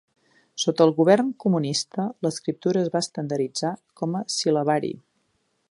Sota el govern comunista, l'escriptura es va estandarditzar com a sil·labari.